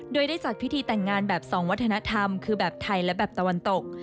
โดยได้จัดพิธีแต่งงานแบบสองวัฒนธรรมคือแบบไทยและแบบตะวันตก